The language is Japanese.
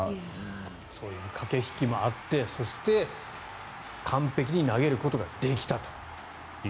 駆け引きもあってそして完璧に投げることができたと。